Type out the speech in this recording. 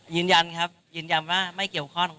ยืนยันครับยืนยันว่าไม่เกี่ยวข้อง